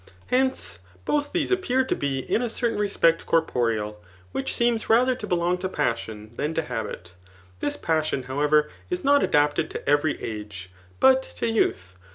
Hence both these ap pear to be in a certain respect corporeal j which seems rather to belong to passion than ^o habit. This passion, however, is not adapted to every age, but to youth.